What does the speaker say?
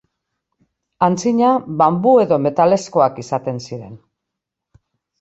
Antzina, banbu edo metalezkoak izaten ziren.